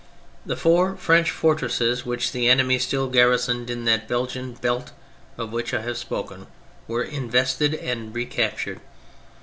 The four French fortresses which the enemy still garrisoned in that Belgian '' belt " of which I have spoken, were invested and re captured.